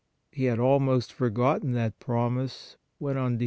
He had almost forgotten that promise, when on Dec.